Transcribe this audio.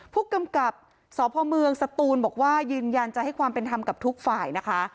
ผู้กำกับสพเมืองสตูนบอกว่ายืนยันจะให้ความเป็นธรรมกับทุกฝ่ายนะคะ